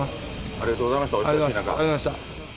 ありがとうございました、お忙しい中。